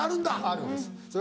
あるんです。